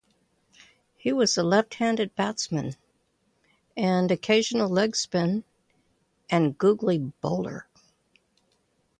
He was a left-handed batsman and occasional leg-spin and googly bowler.